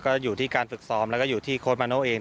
ก็อยู่ที่การฝึกซ้อมแล้วก็อยู่ที่โค้ดมาโน่เอง